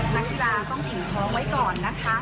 นักกีฬาต้องอิ่มท้องไว้ก่อนนะคะ